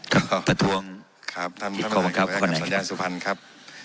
ครับครับท่านประธานครับขออนุญาตสุพรรณครับ